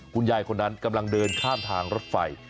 คุณยายคนนั้นกำลังเดินข้ามทางรถไฟ